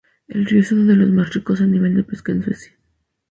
El río es uno de los más ricos a nivel de pesca en Suecia.